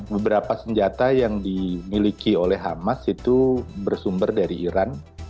beberapa senjata yang dimiliki oleh hamas itu bersumber dari iran